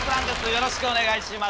よろしくお願いします。